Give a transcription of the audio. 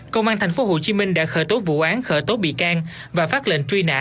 công an tp hcm đã khởi tố vụ án khởi tố bị can và phát lệnh truy nã